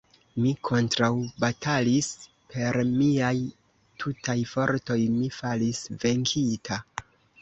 Mi kontraŭbatalis per miaj tutaj fortoj: mi falis venkita.